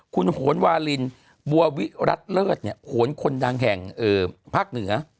คุณหวนหวาลินบัววิรัฐเลิศเนี่ยหวนคนดังแห่งภาคเหนือ